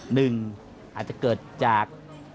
หนึ่งอาจจะเกิดจาก